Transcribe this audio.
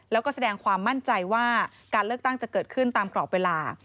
แล้วก็แสดงความมั่นใจว่าการเลือกตั้งจะเกิดขึ้นตามกรอบเวลา